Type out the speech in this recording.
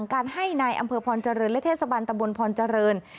การให้นายอำเภอพรเจริญและเทศบันตะบนพรเจริญ